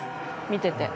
見ていて。